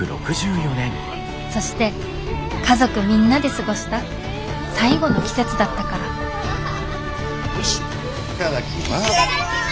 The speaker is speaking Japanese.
そして家族みんなで過ごした最後の季節だったからよし頂きます。